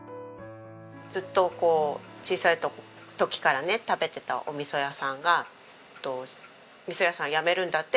ずっとこう小さい時からね食べていたお味噌屋さんが味噌屋さんやめるんだってって。